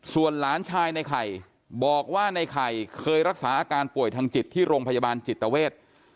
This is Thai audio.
ส่วนหลานชายในไข่บอกว่าในไข่เคยรักษาอาการป่วยทางจิตที่โรงพยาบาลจิตเวท